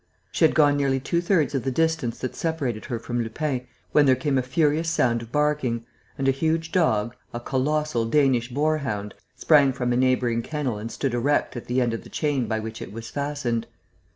She had gone nearly two thirds of the distance that separated her from Lupin when there came a furious sound of barking and a huge dog, a colossal Danish boarhound, sprang from a neighbouring kennel and stood erect at the end of the chain by which it was fastened.